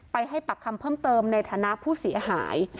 ให้ปากคำเพิ่มเติมในฐานะผู้เสียหาย